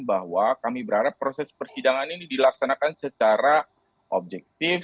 bahwa kami berharap proses persidangan ini dilaksanakan secara objektif